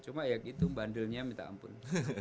cuma ya gitu bandelnya minta ampun